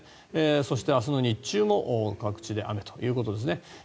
そして明日の日中も各地で雨ということです。